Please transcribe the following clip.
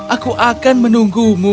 aku akan menunggumu